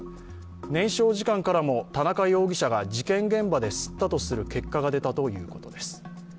燃焼時間からも田中容疑者が事件現場で吸ったとする結果が出たということです。